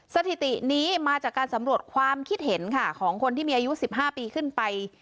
สถิตินี้มาจากการสำรวจความคิดเห็นค่ะของคนที่มีอายุ๑๕ปีขึ้นไป